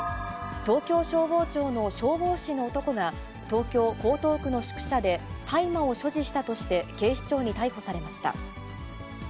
東京消防庁の消防士の男が、東京・江東区の宿舎で、大麻を所持したとして警視庁に逮捕されました。